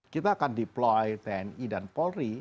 kita akan deploy tni dan polri